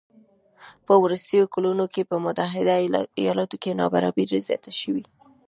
په وروستیو کلونو کې په متحده ایالاتو کې نابرابري زیاته شوې